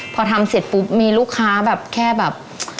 พอทำเสร็จปุ๊บมีลูกค้าแบบแค่แบบ